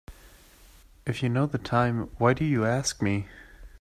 If you know the time why do you ask me?